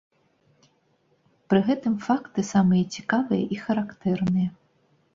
Пры гэтым факты самыя цікавыя і характэрныя.